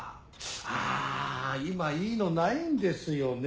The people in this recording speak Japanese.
ああ今いいのないんですよね。